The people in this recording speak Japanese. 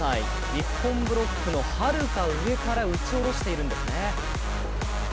日本ブロックのはるか上から打ち下ろしているんですね。